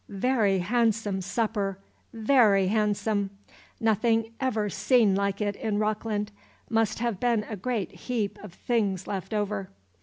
"Very hahnsome supper, very hahnsome. Nothin' ever seen like it in Rockland. Must have been a great heap of things leftover."